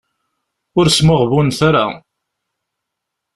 Ur smuɣbunet ara.